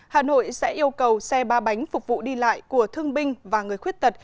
hà nội sẽ yêu cầu xe ba bánh phục vụ đi lại của thương binh và người khuyết tật